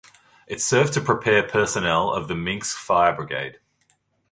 It served to prepare personnel of the Minsk Fire Brigade.